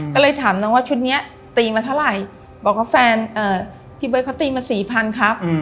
ก็เลยถามน้องว่าชุดนี้ตีมาเท่าไหร่บอกว่าแฟนพี่เบิร์ดเขาตีมาสี่พันครับ